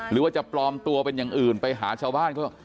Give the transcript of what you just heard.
หรือว่าจะปลอมตัวเป็นอย่างอื่นไปหาชาวบ้านเขา